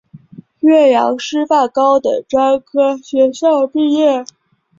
岳阳师范高等专科学校毕业。